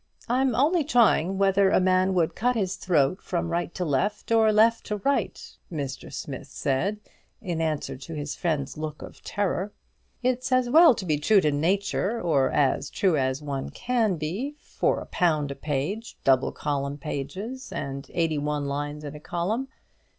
"I'm only trying whether a man would cut his throat from right to left, or left to right," Mr. Smith said, in answer to his friend's look of terror; "it's as well to be true to nature; or as true as one can be, for a pound a page double column pages, and eighty one lines in a column.